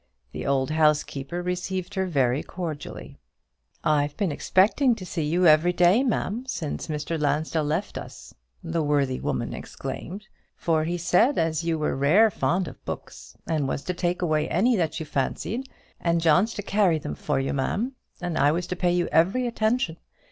The old housekeeper received her very cordially. "I've been expecting to see you every day, ma'am, since Mr Lansdell left us," the worthy woman exclaimed: "for he said as you were rare and fond of books, and was to take away any that you fancied; and John's to carry them for you, ma'am; and I was to pay you every attention.